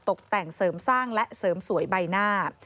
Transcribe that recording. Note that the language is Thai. ตกแต่งเสริมสร้างและเสริมสวยใบหน้า